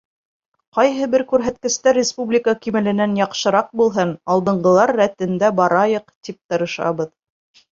Ҡайһы бер күрһәткестәр республика кимәленән яҡшыраҡ булһын, алдынғылар рәтендә барайыҡ, тип тырышабыҙ.